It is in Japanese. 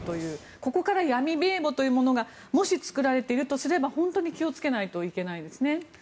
ここから闇名簿というものがもし作られているとすれば本当に気をつけないといけないですね。